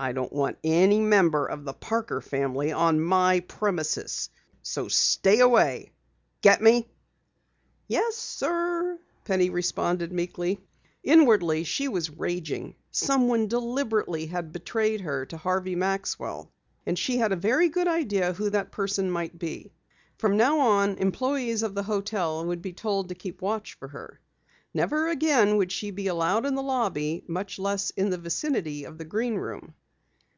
"I don't want any member of the Parker family on my premises. So stay away. Get me?" "Yes, sir," responded Penny meekly. Inwardly, she was raging. Someone deliberately had betrayed her to Harvey Maxwell and she had a very good idea who that person might be. From now on employes of the hotel would be told to keep watch for her. Never again would she be allowed in the lobby, much less in the vicinity of the Green Room.